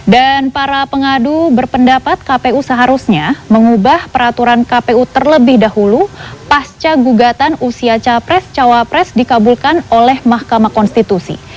dan para pengadu berpendapat kpu seharusnya mengubah peraturan kpu terlebih dahulu pasca gugatan usia capres cawapres dikabulkan oleh mahkamah konstitusi